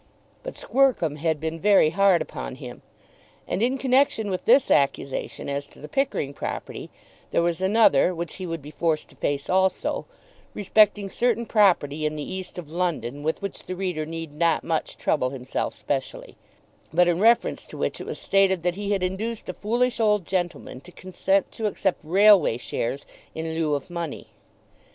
But Squercum had been very hard upon him; and in connexion with this accusation as to the Pickering property, there was another, which he would be forced to face also, respecting certain property in the East of London, with which the reader need not much trouble himself specially, but in reference to which it was stated that he had induced a foolish old gentleman to consent to accept railway shares in lieu of money.